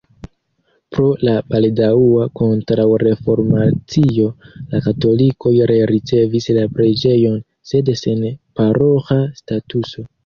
Pro la baldaŭa kontraŭreformacio la katolikoj rericevis la preĝejon, sed sen paroĥa statuso.